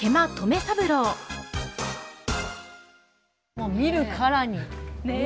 もう見るからに。ね！